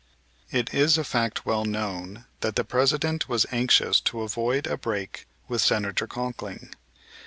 It is a fact well known that the President was anxious to avoid a break with Senator Conkling.